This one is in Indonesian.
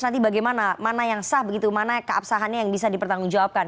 nanti bagaimana mana yang sah begitu mana keabsahannya yang bisa dipertanggungjawabkan